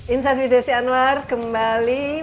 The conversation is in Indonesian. insan widresi anwar kembali